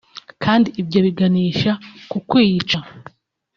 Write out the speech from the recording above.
kandi ibyo biganisha ku kwiyica